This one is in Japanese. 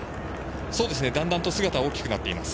だんだん姿は大きくなっています。